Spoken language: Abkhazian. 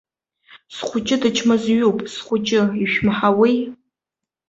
Схәыҷы дычмазаҩуп, схәыҷы, ишәмаҳауеи.